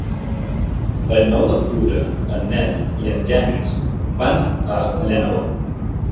El nou d'octubre en Nel i en Genís van a l'Énova.